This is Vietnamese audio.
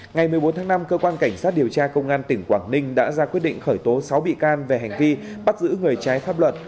ngày một mươi bốn tháng năm cơ quan cảnh sát điều tra công an tỉnh quảng ninh đã ra quyết định khởi tố sáu bị can về hành vi bắt giữ người trái pháp luật